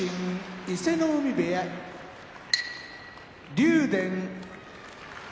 伊勢ノ海部屋竜電